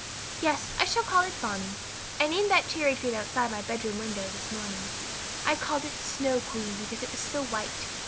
Yes, I shall call it Bonny. I named that cherry tree outside my bedroom window this morning. I called it Snow Queen because it was so white.